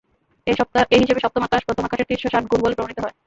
এ হিসেবে সপ্তম আকাশ প্রথম আকাশের তিনশ ষাট গুণ বলে প্রমাণিত হয়।